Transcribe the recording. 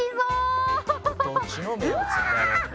うわ！